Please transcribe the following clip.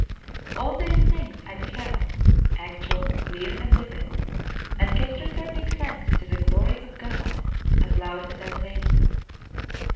All these things I beheld, actual, clear, and vivid, and kept returning thanks to the glory of God as loud as I was able.